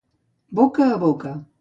Boca a boca.